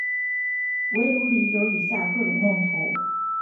围炉里有以下各种用途。